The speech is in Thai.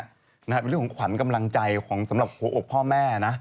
เป็นเรื่องของขวัญกำลังใจของสำหรับหัวอกพ่อแม่นะ